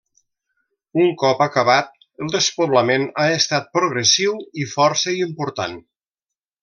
Un cop acabat, el despoblament ha estat progressiu i força important.